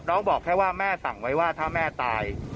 บอกแค่ว่าแม่สั่งไว้ว่าถ้าแม่ตาย